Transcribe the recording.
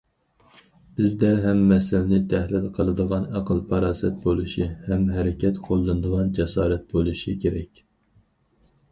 بىزدە ھەم مەسىلىنى تەھلىل قىلىدىغان ئەقىل- پاراسەت بولۇشى، ھەم ھەرىكەت قوللىنىدىغان جاسارەت بولۇشى كېرەك.